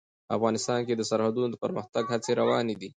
افغانستان کې د سرحدونه د پرمختګ هڅې روانې دي.